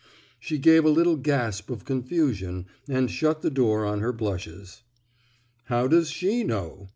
She gave a little gasp of confusion ^nd shut the door on her blushes. How does she know?